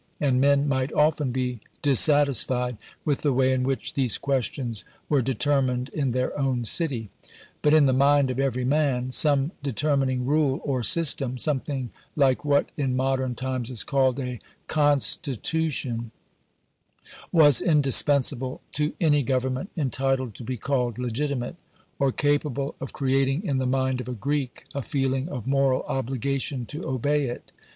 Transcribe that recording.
and men might often be dissatisfied with the way in which these questions were determined in their own city. But in the mind of every man, some determining rule or system something like what in modern times is called a CONSTITUTION was indispensable to any Government entitled to be called legitimate, or capable of creating in the mind of a Greek a feeling of moral obligation to obey it.